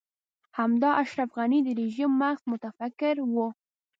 همدا اشرف غني د رژيم مغز متفکر و.